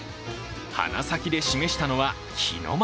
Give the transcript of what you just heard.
鼻先で示したのは、日の丸。